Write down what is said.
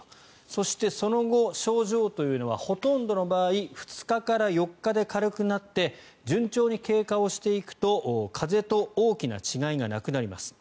そして、その後、症状というのはほとんどの場合２日から４日で軽くなって順調に経過をしていくと風邪と大きな違いがなくなります。